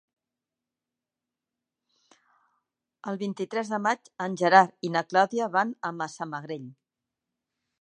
El vint-i-tres de maig en Gerard i na Clàudia van a Massamagrell.